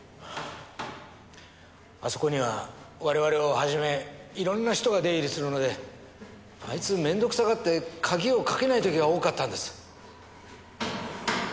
あそこには我々をはじめいろんな人が出入りするのであいつ面倒くさがって鍵をかけない時が多かったんです。